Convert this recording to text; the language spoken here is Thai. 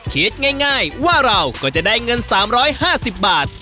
คิดง่ายว่าเราก็จะได้เงิน๓๕๐บาท